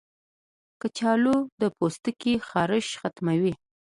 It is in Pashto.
کچالو د پوستکي خارښ ختموي.